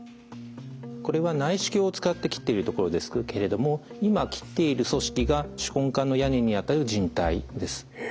これは内視鏡を使って切っているところですけれども今切っている組織が手根管の屋根にあたる靭帯です。